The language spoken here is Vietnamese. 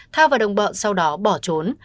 thao và đồng bọn sau đó bỏ trốn